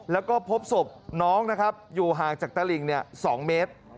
แล้วก็พบศพน้องนะครับอยู่ห่างจากตลิ่ง๒เมตร